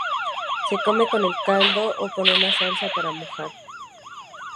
Se come con el caldo o con una salsa para mojar.